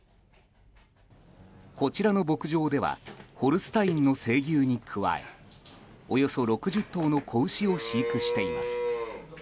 こちらの牧場ではホルスタインの成牛に加えおよそ６０頭の子牛を飼育しています。